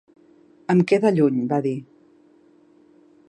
Em queda lluny, va dir.